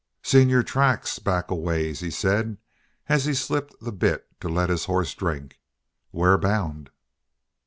"Seen your tracks back a ways," he said, as he slipped the bit to let his horse drink. "Where bound?"